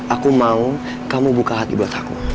aku mau kamu buka hati buat aku